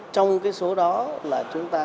trong số đó là chúng ta